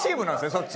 そっち。